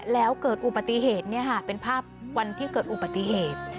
แล้วเกิดอุบัติเหตุเป็นภาพวันที่เกิดอุบัติเหตุ